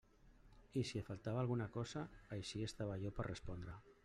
I si et faltava alguna cosa, ací estava jo per a respondre.